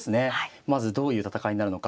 まずどういう戦いになるのか。